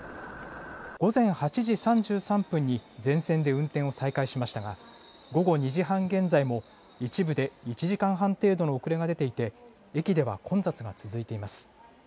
午前８時３３分に全線で運転を再開しましたが午後２時半現在も一部で１時間半程度の遅れが出ていて駅では混雑が続いています。